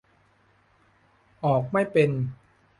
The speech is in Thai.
ออกไม่เป็น